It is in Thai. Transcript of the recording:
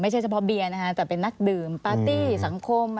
เฉพาะเบียร์นะคะแต่เป็นนักดื่มปาร์ตี้สังคม